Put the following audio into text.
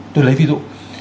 tôi lấy ví dụ